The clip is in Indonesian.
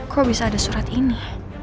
kok bisa ada surat ini